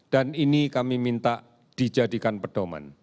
dan ini kami minta dijadikan pedoman